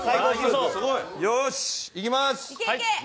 よーし、いきます。